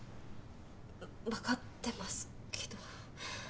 わかってますけど。